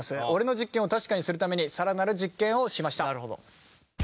俺の実験を確かにするために更なる実験をしました。